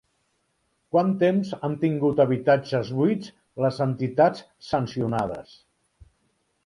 Quant temps han tingut habitatges buits les entitats sancionades?